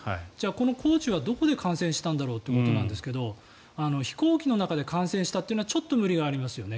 このコーチはどこで感染したんだろうということなんですけど飛行機の中で感染したというのはちょっと無理がありますよね。